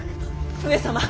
上様！